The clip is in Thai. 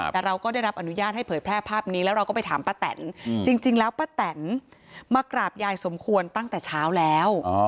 แต่เราก็ได้รับอนุญาตให้เผยแพร่ภาพนี้แล้วเราก็ไปถามป้าแตนจริงแล้วป้าแตนมากราบยายสมควรตั้งแต่เช้าแล้ว